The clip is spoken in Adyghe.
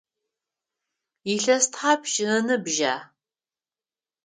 Илъэс тхьапш ыныбжьа?